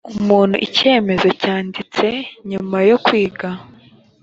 umuntu icyemezo cyanditse nyuma yo kwiga